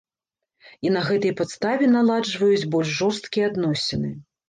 І на гэтай падставе наладжваюць больш жорсткія адносіны.